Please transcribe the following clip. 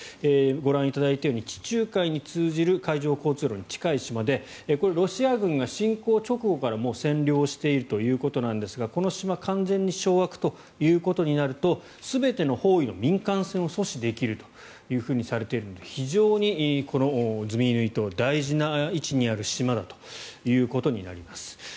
ご覧いただいたように地中海に通じる海上交通路に近い島でこれはロシア軍が侵攻直後から占領しているということなんですがこの島完全に掌握ということになると全ての方位の民間船を阻止できるというふうにされているので非常にこのズミイヌイ島は大事な位置にある島だということになります。